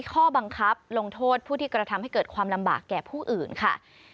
ข้อบังคับลงโทษผู้ที่กระทำให้เกิดความลำบากแก่ผู้อื่นค่ะ